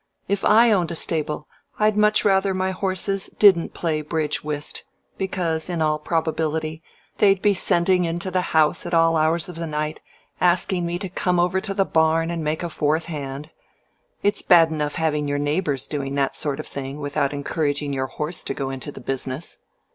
If I owned a stable I'd much rather my horses didn't play bridge whist, because, in all probability, they'd be sending into the house at all hours of the night asking me to come over to the barn and make a fourth hand. It's bad enough having your neighbors doing that sort of thing without encouraging your horse to go into the business.